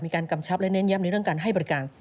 กำชับและเน้นย้ำในเรื่องการให้บริการ